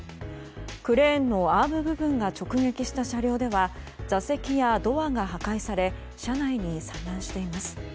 クレーンのアーム部分が直撃した車両では座席やドアが破壊され車内に散乱しています。